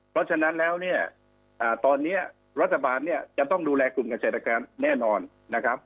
เพราะฉะนั้นแล้วเนี่ยตอนนี้รัฐบาลเนี่ยจะต้องดูแลกลุ่มเกษตรกรแน่นอนนะครับ